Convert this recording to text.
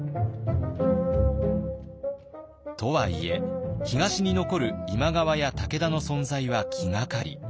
とはいえ東に残る今川や武田の存在は気がかり。